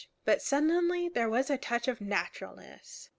But suddenly there was a touch of naturalness.